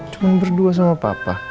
cuma berdua sama papa